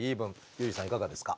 ユージさんいかがですか？